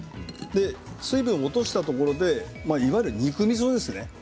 水分を落としたところでいわゆる肉みそですね。